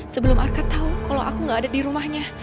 sebelum arka tau kalau aku gak ada di rumahnya